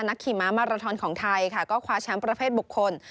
ขี่ม้ามาราทอนของไทยค่ะก็คว้าแชมป์ประเภทบุคคล